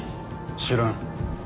知らん。